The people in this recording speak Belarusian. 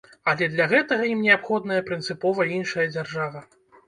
Але для гэтага ім неабходная прынцыпова іншая дзяржава.